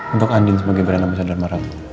untuk andin sebagai bren ambasador marah